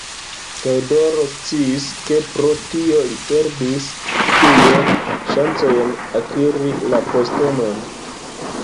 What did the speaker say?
Teodoro sciis, ke pro tio li perdis ĉiujn ŝancojn akiri la postenon.